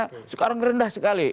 karena mereka sangat rendah sekali